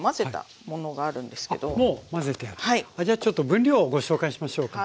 じゃあちょっと分量をご紹介しましょうか。